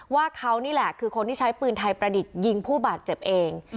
ว่าเขานี่แหละคือคนที่ใช้ปืนไทยประดิษฐ์ยิงผู้บาดเจ็บเอง